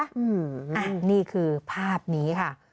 อันนี้คือภาพนี้ค่ะ